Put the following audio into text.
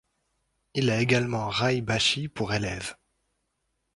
Il a également Rai bashi pour élève.